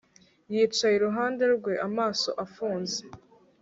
Yicaye iruhande rwe amaso afunze